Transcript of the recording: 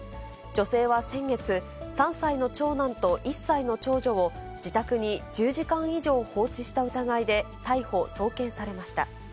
女性は先月、３歳の長男と１歳の長女を、自宅に１０時間以上放置した疑いで逮捕・送検されました。